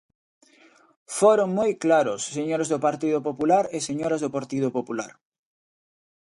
Foron moi claros, señores do Partido Popular e señoras do Partido Popular.